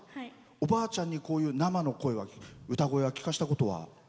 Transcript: おばあちゃんに、こういう生の歌声は聴かせたことは？